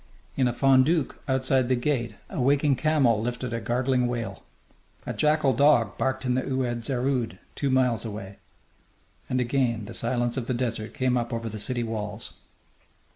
In a fondouk outside the gate a waking camel lifted a gargling wail. A jackal dog barked in the Oued Zaroud two miles away. And again the silence of the desert came up over the city walls.